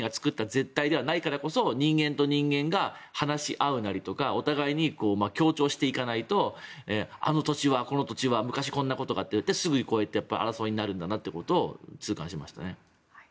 絶対ではないからこそ人間と人間が話し合うなりお互いに協調していかないとあの土地はこの土地は昔こんなことがあったとなってすぐにこうやって争いになるんだなということを痛感しましたね。